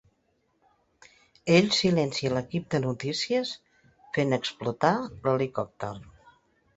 Ell silencia l'equip de notícies fent explotar l'helicòpter.